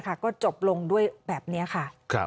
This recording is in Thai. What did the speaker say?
ก็จบลงด้วยแบบนี้ค่ะ